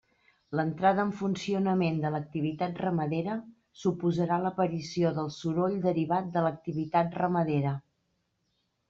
L'entrada en funcionament de l'activitat ramadera suposarà l'aparició del soroll derivat de l'activitat ramadera.